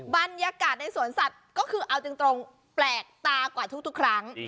บรรยากาศในสวนสัตว์ก็คือเอาจริงแปลกตากว่าทุกครั้ง